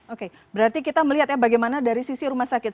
oke berarti kita melihat ya bagaimana dari sisi rumah sakit